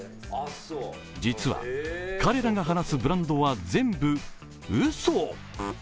実は、彼らが話すブランドは全部うそ。